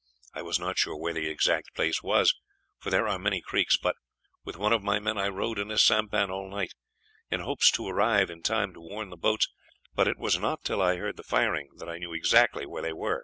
I was not sure where the exact place was, for there are many creeks, but, with one of my men, I rowed in a sampan all night, in hopes to arrive in time to warn the boats; but it was not till I heard the firing that I knew exactly where they were.